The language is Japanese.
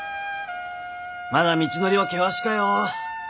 まだ道のりは険しかよ。